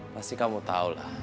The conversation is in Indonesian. pasti kamu tau lah